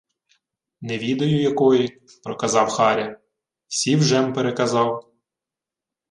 — Не відаю якої, — проказав Харя. — Всі вже-м переказав.